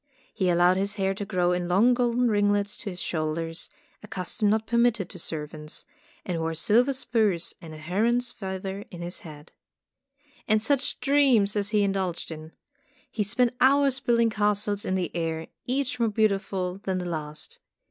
He allowed his hair to grow in long golden ringlets to his shoulders, a custom not permitted to servants, and wore silver spurs and a heron's feather in his hat. And such dreams as he indulged in! He spent hours building castles in the air, each more beautiful than the last.